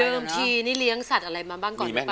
เดิมทีนี่เลี้ยงสัตว์อะไรมาบ้างก่อนหรือเปล่า